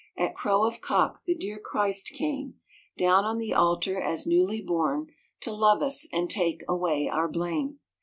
At crow of cock the dear Christ came Down on the altar, as newly born To love us and take away our blame.